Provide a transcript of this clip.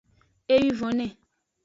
Ewivone.